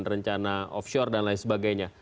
rencana offshore dan lain sebagainya